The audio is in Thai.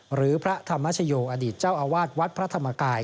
หรือพระธรรมชโยอดีตเจ้าอาวาสวัดพระธรรมกาย